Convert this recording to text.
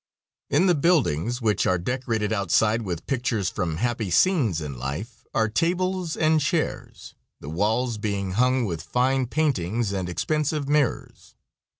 In the buildings, which are decorated outside with pictures from happy scones in life, are tables and chairs, the walls being hung with fine paintings and expensive mirrors.